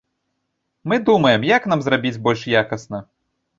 Мы думаем, як нам зрабіць больш якасна.